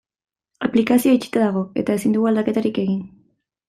Aplikazioa itxita dago eta ezin dugu aldaketarik egin.